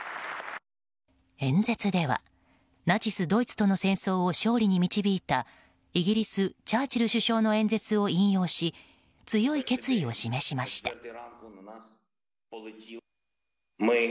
演説ではナチスドイツとの戦争を勝利に導いたイギリス、チャーチル首相の演説を引用し強い決意を示しました。